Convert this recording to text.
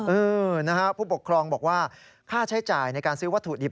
เออนะฮะผู้ปกครองบอกว่าค่าใช้จ่ายในการซื้อวัตถุดิบ